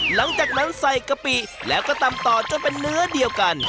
หลังจากนั้นใส่กะปิแล้วก็ตำต่อจนเป็นเนื้อเดียวกัน